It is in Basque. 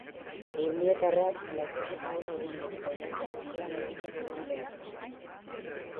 Urnietarrak lasterketa ona egin du, baina ez da gustora gelditu zirkuituarekin.